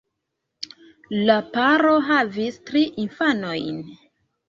La paro havis tri infanojn.